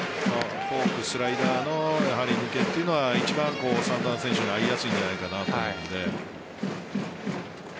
フォーク、スライダーの抜けというのは一番、サンタナ選手が合いやすいんじゃないかなと思うので。